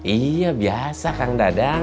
iya biasa kang dadang